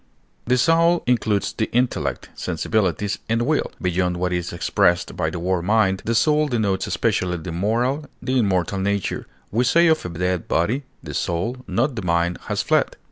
The soul includes the intellect, sensibilities, and will; beyond what is expressed by the word mind, the soul denotes especially the moral, the immortal nature; we say of a dead body, the soul (not the mind) has fled.